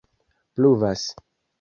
pluvas